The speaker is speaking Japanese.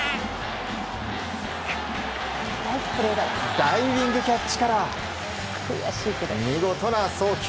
ダイビングキャッチから見事な送球。